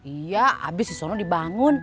iya habis disana dibangun